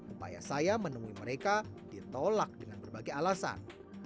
upaya saya menemui mereka ditolak dengan berbagai alasan